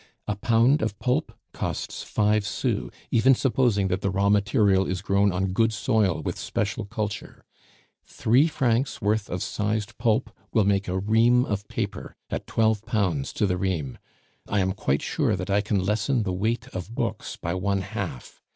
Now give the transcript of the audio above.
A pound of pulp costs five sous, even supposing that the raw material is grown on good soil with special culture; three francs' worth of sized pulp will make a ream of paper, at twelve pounds to the ream. I am quite sure that I can lessen the weight of books by one half.